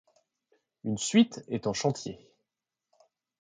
Une suite est en chantier.